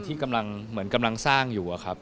ที่กำลังเหมือนกำลังสร้างอยู่อะครับ